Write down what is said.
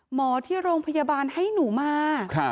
หมอที่โรงพยาบาลให้หนูมา